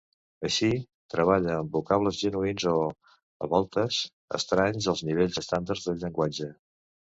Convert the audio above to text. Així, treballa amb vocables genuïns o, a voltes, estranys als nivells estàndards del llenguatge.